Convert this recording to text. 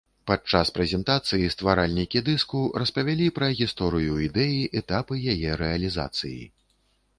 Падчас прэзентацыі стваральнікі дыску распавялі пра гісторыю ідэі, этапы яе рэалізацыі.